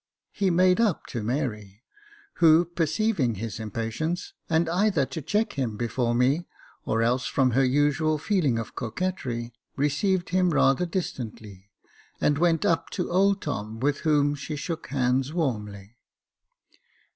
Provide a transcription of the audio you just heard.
He made up to Mary, who, perceiving his impatience, and either to check him before me, or else from her usual feeling of coquetry, received him rather distantly, and went up to old Tom, with whom she shook hands warmly.